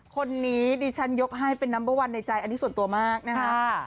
คนนี้ดิฉันยกให้เป็นนัมเบอร์วันในใจอันนี้ส่วนตัวมากนะคะ